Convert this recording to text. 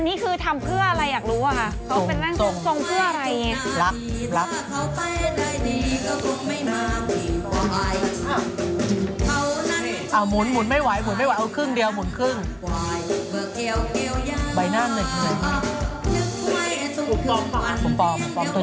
ไม่คือกำลังจะถามว่าเข้าทรงคือปกติร่างทรง